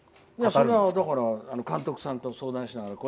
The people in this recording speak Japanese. それは監督さんと相談しながら。